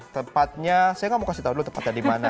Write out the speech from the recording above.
tepatnya saya gak mau kasih tau dulu tempatnya dimana